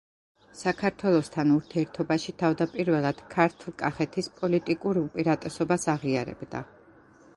საქართველოსთან ურთიერთობაში თავდაპირველად ქართლ-კახეთის პოლიტიკურ უპირატესობას აღიარებდა.